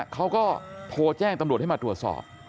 เขาก็โทรแจ้งตำรวจให้มาตรวจสอบ